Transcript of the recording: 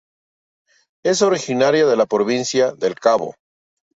Es originaria de la Provincia del Cabo.